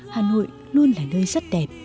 hà nội luôn là nơi rất đẹp